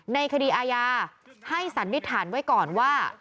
ในคดีอาญาให้สันนิษฐานไว้ก่อนว่า